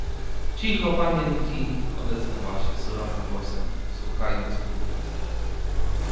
— Cicho, panienki! — odezwała się surowym głosem, stukając w pulpit.